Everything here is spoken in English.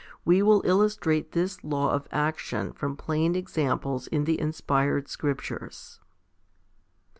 We will illustrate this law of action from plain examples in the inspired scriptures.